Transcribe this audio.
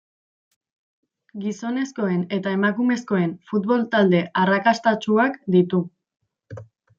Gizonezkoen eta emakumezkoen futbol talde arrakastatsuak ditu.